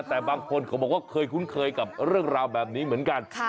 แต่บางคนเขาบอกว่าเคยคุ้นเคยกับเรื่องราวแบบนี้เหมือนกัน